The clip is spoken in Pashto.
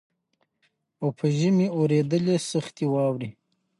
او په ژمي اورېدلې سختي واوري